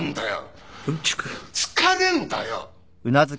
疲れんだよ！